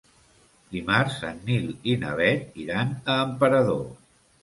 Dimarts en Nil i na Bet iran a Emperador.